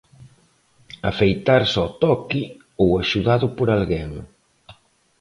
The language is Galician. Afeitarse ao toque, ou axudado por alguén.